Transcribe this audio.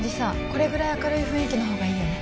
これぐらい明るい雰囲気の方がいいよね